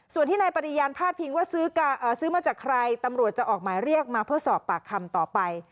ส่วนที่นายปริญญาณพาดพิงว่าซื้อมาจากใครตำรวจจะออกหมายเรียกมาเพื่อสอบปากคำต่อไป